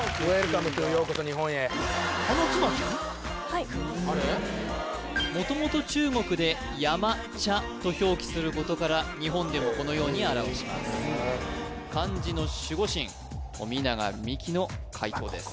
はいもともと中国で「山茶」と表記することから日本でもこのように表します漢字の守護神富永美樹の解答です